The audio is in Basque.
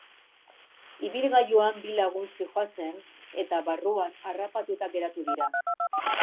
Ibilgailuan bi lagun zihoazen eta barruan harrapatuta geratu dira.